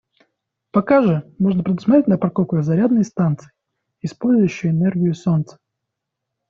Пока же можно предусмотреть на парковках зарядные станции, использующие энергию солнца.